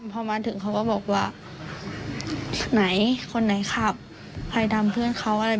เพื่อนเขาที่คนในคลิปอะค่ะ